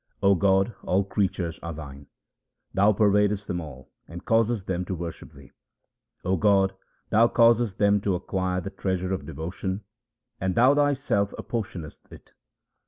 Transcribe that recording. O God, all creatures are Thine ; Thou pervadest them all, and causest them to worship Thee. 0 God, Thou causest them to acquire the treasure of devotion and Thou Thyself apportionest it.